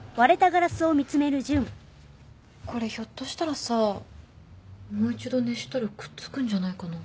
これひょっとしたらさもう１度熱したらくっつくんじゃないかな。